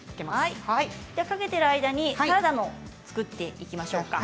かけている間にサラダも作っていきましょうか。